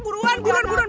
buruan buruan buruan